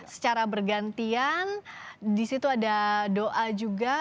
secara bergantian disitu ada doa juga